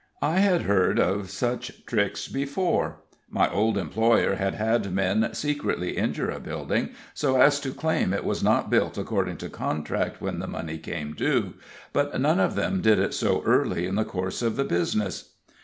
I had heard of such tricks before; my old employer had had men secretly injure a building, so as to claim it was not built according to contract when the money came due, but none of them did it so early in the course of the business.